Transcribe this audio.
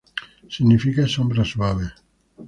Significa sombra suave.